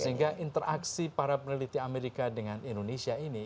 sehingga interaksi para peneliti amerika dengan indonesia ini